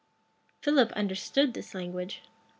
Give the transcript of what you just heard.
Philip understood this language.